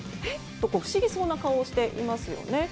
と不思議そうな顔をしてますよね。